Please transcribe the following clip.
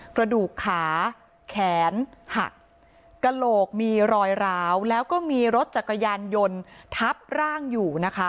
กระดูกขาแขนหักกระโหลกมีรอยร้าวแล้วก็มีรถจักรยานยนต์ทับร่างอยู่นะคะ